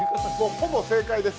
ほぼ正解です。